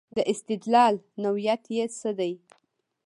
د استدلال نوعیت یې څه دی.